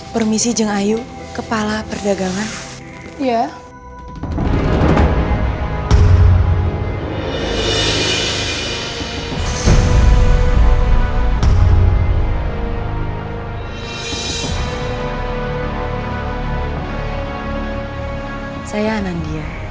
permisi saya anandia dan saya anandia